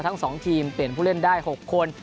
ทั้ง๒ทีมเปลี่ยนผู้เล่นได้๖คน